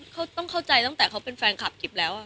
เขาต้องเข้าใจตั้งแต่เขาเป็นแฟนคลับกิ๊บแล้ว